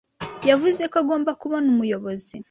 Yavuze ko agomba kubona umuyobozi.